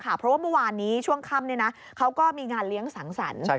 เพราะว่าเมื่อวานนี้ช่วงค่ำเขาก็มีงานเลี้ยงสังสรรค์